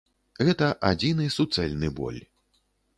Гэта адзіны суцэльны боль.